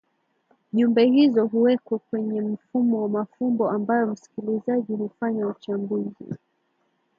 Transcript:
Jumbe hizo huwekwe kwenye mfumo wa mafumbo ambayo msikilizaji hufanya uchambuzi